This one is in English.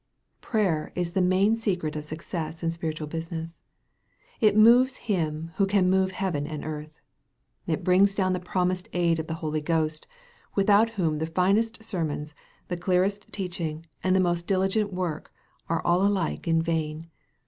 Prayer is the main secret of success in spiritual business. It moves Him who can move heaven and earth. It brings down the promised aid of the Holy Ghost, without whom the finest sermons, the clearest teaching, and the most diligent working, are all alike in vain.